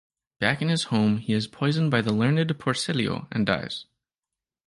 Back in his home he is poisoned by the learned Porcellio and dies.